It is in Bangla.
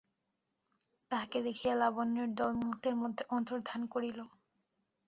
তাহাকে দেখিয়া লাবণ্যের দল মুহূর্তের মধ্যে অন্তর্ধান করিল।